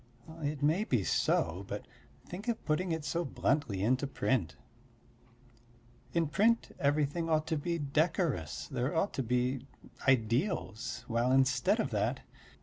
It may be so, but think of putting it so bluntly into print. In print everything ought to be decorous; there ought to be ideals, while instead of that....